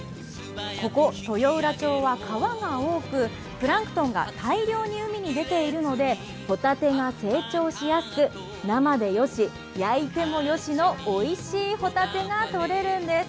ここ豊浦町は川が多くプランクトンが大量に海に出ているのでホタテが成長しやすく、生でよし、焼いてもよしのおいしいホタテがとれるんです。